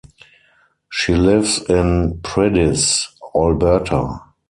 She lives in Priddis, Alberta.